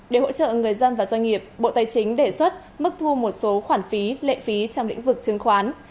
để hỗ trợ người dân và doanh nghiệp bộ tài chính đề xuất mức thu một số khoản phí lệ phí trong lĩnh vực chứng khoán